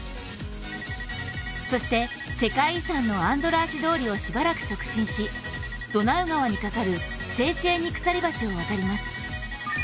そして、世界遺産のアンドラージ通りをしばらく直進しドナウ川にかかるセーチェーニ鎖橋を渡ります。